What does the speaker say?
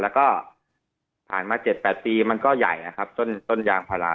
และก็ผ่านมา๗๘ปีมันก็ใหญ่ต้นยางภารา